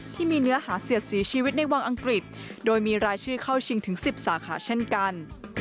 ที่มีเนื้อหาเสียดสีชีวิตในวังอังกฤษโดยมีรายชื่อเข้าชิงถึง๑๐สาขาเช่นกัน